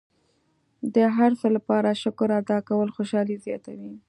د هر څه لپاره شکر ادا کول خوشحالي زیاتوي.